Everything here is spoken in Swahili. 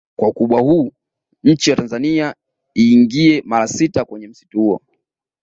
Kwa ukubwa huu nchi ya Tanzania iingie mara sita kwenye msitu huo